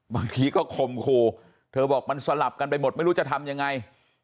บางทีก็ข่มขู่เธอบอกมันสลับกันไปหมดไม่รู้จะทำยังไง